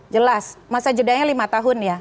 jelas masa jedanya lima tahun ya